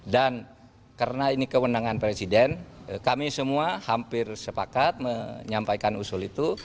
karena ini kewenangan presiden kami semua hampir sepakat menyampaikan usul itu